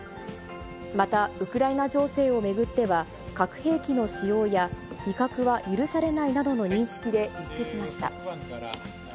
また、ウクライナ情勢を巡っては、核兵器の使用や威嚇は許されないなどの認識で一致しました。